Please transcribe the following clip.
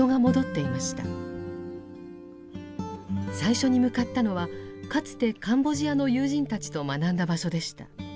最初に向かったのはかつてカンボジアの友人たちと学んだ場所でした。